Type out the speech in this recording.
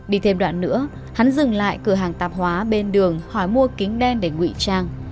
đi thêm đoạn nữa hắn dừng lại cửa hàng tạp hóa bên đường hỏi mua kính đen để ngụy trang